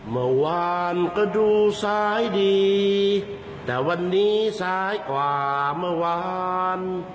เมื่อวานก็ดูซ้ายดีแต่วันนี้ซ้ายกว่าเมื่อวาน